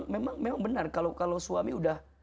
memang memang benar kalau suami sudah